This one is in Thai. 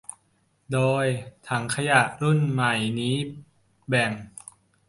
โดยถังขยะรุ่นใหม่นี้แบ่ง